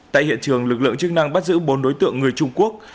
tại hiện trường lực lượng chức năng bắt giữ bốn đối tượng người trung quốc